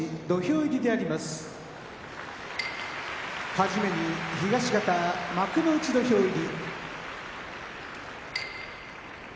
はじめに東方幕内土俵入り。